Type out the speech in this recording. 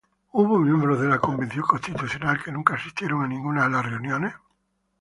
¿Hubo miembros de la Convención Constitucional que nunca asistieron a ninguna de las reuniones?